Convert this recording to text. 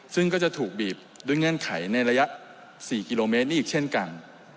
ซึ่งก็จะถูกบีบด้วยเงื่อนไขในระยะ๔กิโลเมตรนี้อีกเช่นกัน